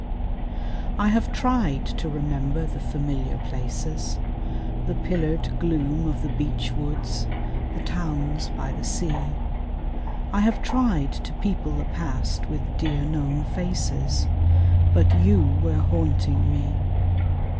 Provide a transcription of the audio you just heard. I have tried to remember the familiar places, The pillared gloom of the beechwoods, the towns by the sea, I have tried to people the past with dear known faces, But you were haunting me.